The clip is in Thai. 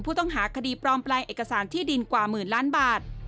ผู้ต้องหาคดีปลอมแปลงเอกสารที่ดินกว่าหมื่นล้านบาท